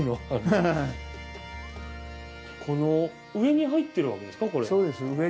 この上に入ってるわけですか？